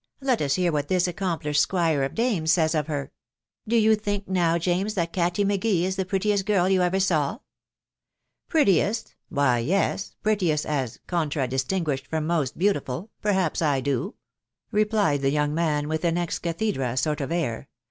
let us hear what this accomplished squire of dames says of her. ... Do you think, now, James, that Kattie M'Gee is the prettiest girl you ever saw ?"• "Prettiest? — why, yes, prettiest, as contra distinguished from most beautiful, — perhaps I do," replied the young man, witb an ex cathedrd sort of air